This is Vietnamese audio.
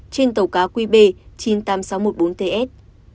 trên tàu cá qb chín mươi tám nghìn sáu trăm một mươi bốn ts